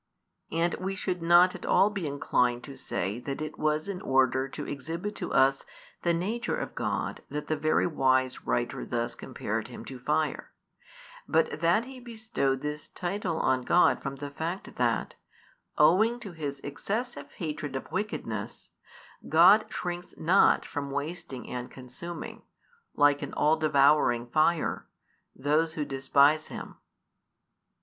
And we should not at all be inclined to say that it was in order to exhibit to us the nature of God that the very wise writer thus compared Him to fire, but that he bestowed this title on God from the fact that, owing to His excessive hatred of wickedness, God shrinks not from wasting and consuming, like an all devouring fire, those who despise Him.